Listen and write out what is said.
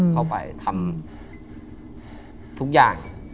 เข้าไปทำทุกอย่าง